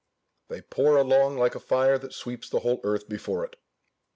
"They pour along like a fire that sweeps the whole earth before it."